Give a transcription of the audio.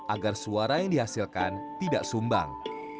agar suara yang dihasilkan tidak sumbang